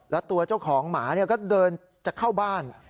แล้วตัวเจ้าของหมาก็เดินจะเข้าบ้าน